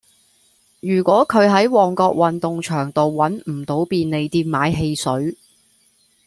如果佢喺旺角運動場道搵唔到便利店買汽水